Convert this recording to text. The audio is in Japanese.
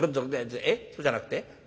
えっそうじゃなくて？